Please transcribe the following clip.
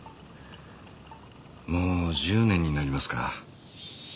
もう１０年になりますか。